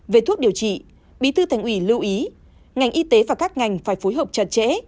về thuốc điều trị bí thư thành ủy lưu ý ngành y tế và các ngành phải phối hợp chặt chẽ